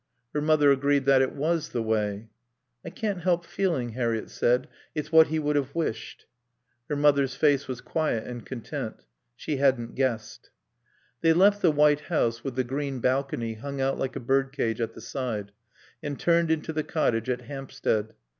Her mother agreed that it was the way. "I can't help feeling," Harriett said, "it's what he would have wished." Her mother's face was quiet and content. She hadn't guessed. They left the white house with the green balcony hung out like a birdcage at the side, and turned into the cottage at Hampstead.